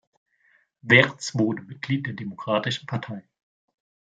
Werts wurde Mitglied der Demokratischen Partei.